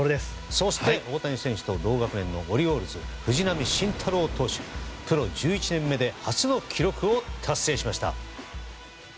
そして大谷選手と同学年オリオールズの藤浪晋太郎投手、プロ１１年目で初の記録を達成しました。